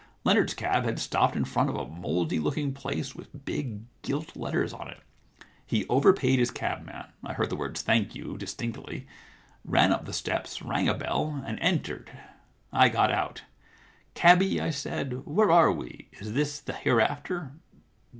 Leonard's cab had stopped in front of a mouldy looking place with big gilt letters on it. He overpaid his cabman — I heard the words, " Thank you," distinctly — ran up the steps, rang a bell, and entered. I got out. *" Cabby, I said, where are we ? Is this the hereafter